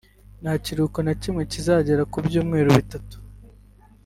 nta kiruhuko na kimwe kizagera ku byumweru bitatu